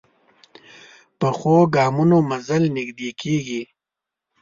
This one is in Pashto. پخو ګامونو منزل نږدې کېږي